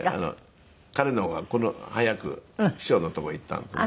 彼の方が早く師匠の所行ったんですね。